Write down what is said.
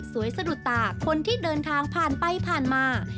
สะดุดตาคนที่เดินทางผ่านไปผ่านมา